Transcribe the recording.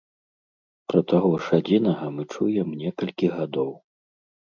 Пра таго ж адзінага мы чуем некалькі гадоў.